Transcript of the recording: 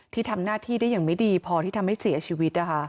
ที่ทำหน้าที่ได้อย่างไม่ดีพอที่ทำให้เสียชีวิต